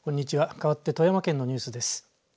かわって富山県のニュースです。